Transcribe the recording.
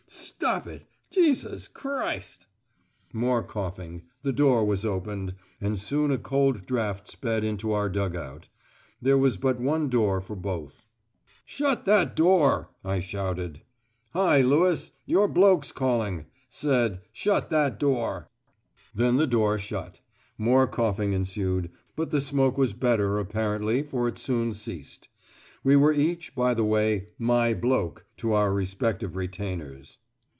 Stop it. Jesus Christ." More coughing, the door was opened, and soon a cold draught sped into our dug out. There was but one door for both. "Shut that door!" I shouted. "Hi, Lewis, your bloke's calling. Said, 'Shut that door.'" Then the door shut. More coughing ensued, but the smoke was better, apparently, for it soon ceased. We were each, by the way, "my bloke" to our respective retainers.